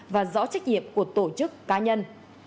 và rõ trách nhiệm của tổ chức cá nhân